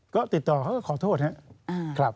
ก็ติดต่อเขาก็ขอโทษครับ